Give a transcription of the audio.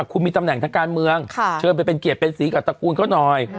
คุณมีตำแหน่งทางการเมืองเชิญไปเป็นเกียรติเป็นสีกับตระกูลเขาหน่อย